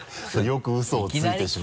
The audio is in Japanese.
よくウソをついてしまう。